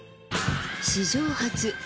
史上初！